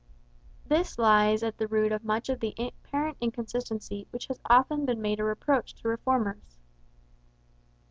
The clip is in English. This lies at the root of much of the apparent inconsistency which has often been made a reproach to reformers.